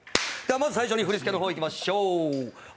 まず最初に振り付けの方をいきましょう。